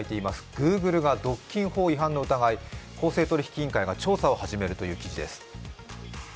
Ｇｏｏｇｌｅが独禁法違反の疑い、公正取引委員会が調査を始めるという記事です